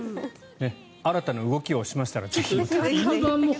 新たな動きをしましたらぜひ。